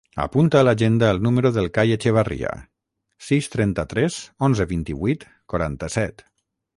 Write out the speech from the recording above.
Apunta a l'agenda el número del Cai Echevarria: sis, trenta-tres, onze, vint-i-vuit, quaranta-set.